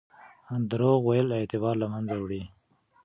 درواغ ویل اعتبار له منځه وړي.